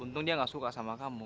untung dia gak suka sama kamu